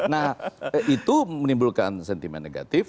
nah itu menimbulkan sentimen negatif